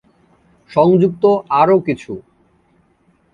সংযুক্ত আরও কিছু